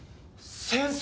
先生！